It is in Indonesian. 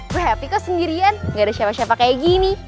gue happy kok sendirian gak ada siapa siapa kayak gini